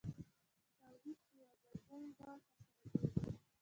تولید په یو ځانګړي ډول ترسره کېږي